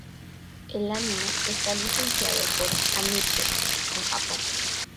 El anime está licenciado por Aniplex en Japón.